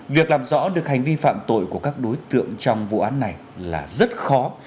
việc làm rõ được hành vi phạm tội của các đối tượng trong vụ án này là rất khó